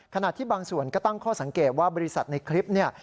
ขณะที่บางส่วนก็ตั้งข้อสังเกตว่าบริษัทในคลิปเนี่ย